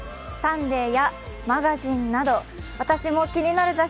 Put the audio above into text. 「サンデー」や「マガジン」など私も気になる